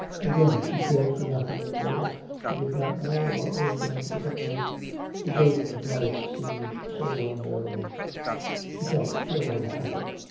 Again she cared for nothing in the world. She did not know what was going to become of her; the burden of life seemed so unbearable; she felt so unhappy.